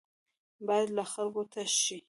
بايد له خلکو تش شي.